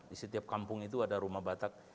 di setiap kampung itu ada rumah batak